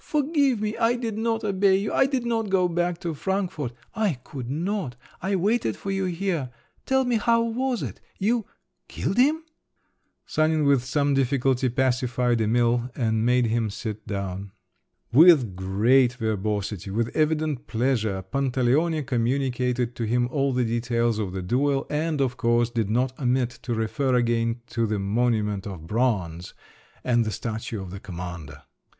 "Forgive me, I did not obey you, I did not go back to Frankfort … I could not! I waited for you here … Tell me how was it? You … killed him?" Sanin with some difficulty pacified Emil and made him sit down. With great verbosity, with evident pleasure, Pantaleone communicated to him all the details of the duel, and, of course, did not omit to refer again to the monument of bronze and the statue of the commander.